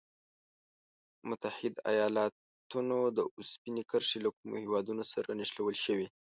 متحد ایلاتونو د اوسپنې کرښې له کومو هېوادونو سره نښلول شوي؟